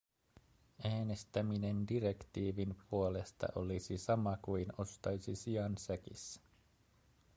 Äänestäminen direktiivin puolesta olisi sama kuin ostaisi sian säkissä.